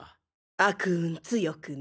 悪運強くね。